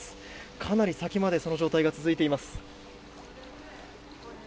かなり先までその状態が続いています。